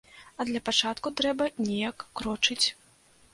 А для пачатку трэба неяк крочыць.